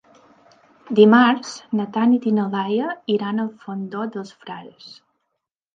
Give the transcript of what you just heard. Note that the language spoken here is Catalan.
Dimarts na Tanit i na Laia iran al Fondó dels Frares.